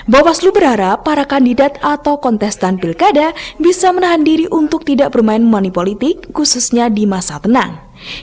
bawaslu berharap para kandidat atau kontestan pilkada bisa menahan diri untuk tidak bermain money politik khususnya di masa tenang